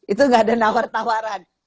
itu gak ada nawar tawaran